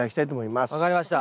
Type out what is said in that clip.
分かりました。